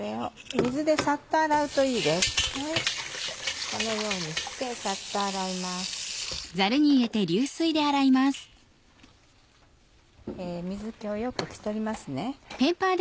水気をよく拭き取りますね。